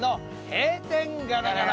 閉店ガラガラ！